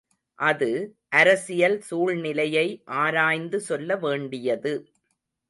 அது, அரசியல் சூழ்நிலையை ஆராய்ந்து சொல்ல வேண்டியது.